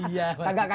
iya pak ji